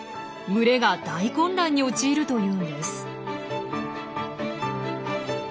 群れが大混乱に陥るというんです。